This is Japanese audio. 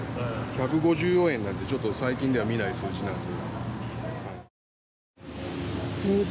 １５４円なんてちょっと最近では見ない数字なんで。